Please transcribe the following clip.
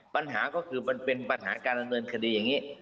ปัญหาก็คือมันเป็นปัญหาการดำเนินคดีอย่างนี้